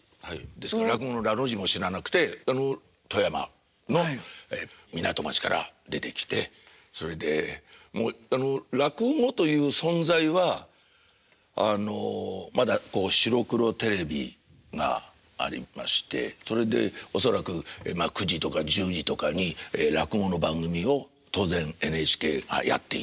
ですから落語の「ら」の字も知らなくて富山の港町から出てきてそれで落語という存在はあのまだ白黒テレビがありましてそれで恐らく９時とか１０時とかに落語の番組を当然ＮＨＫがやっていたんでしょう。